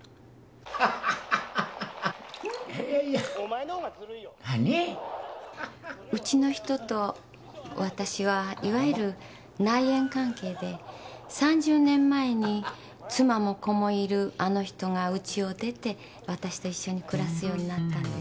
ハハハハいやいやウチの人とわたしはいわゆる内縁関係で３０年前に妻も子もいるあの人がウチを出てわたしと一緒に暮らすようになったんです。